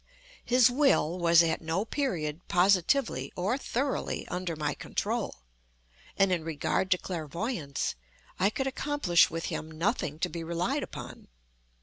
His will was at no period positively, or thoroughly, under my control, and in regard to clairvoyance, I could accomplish with him nothing to be relied upon.